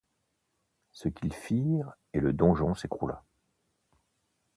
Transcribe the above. Ce qu'ils firent et le donjon s'écroula.